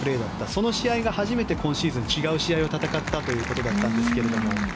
その試合で今シーズン違う試合を戦ったということだったんですけれども。